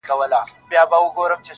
خونه له شنو لوګیو ډکه ده څه نه ښکاریږي-